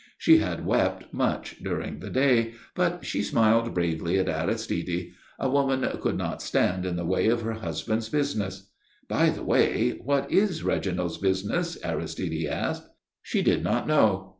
She had wept much during the day; but she smiled bravely on Aristide. A woman could not stand in the way of her husband's business. "By the way, what is Reginald's business?" Aristide asked. She did not know.